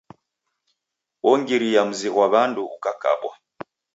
Wongiria mzi ghwa W'andu ukakabwa.